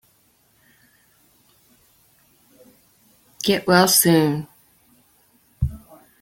Get well soon!